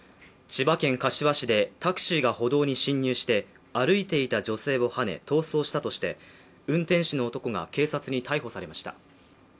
千葉県柏市でタクシーが歩道に進入して歩いていた女性をはね逃走したとして、運転手の男が警察に逮捕されました。